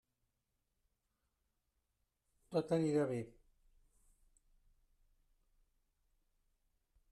Tot anirà bé.